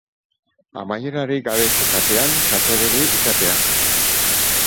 Amaierarik gabeko katean katebegi izatea.